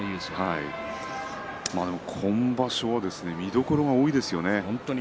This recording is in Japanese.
今場所は見どころが多いですよね。